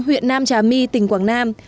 huyện nam trà my tỉnh quảng nam